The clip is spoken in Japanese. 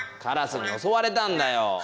カラスにおそわれたんだよ。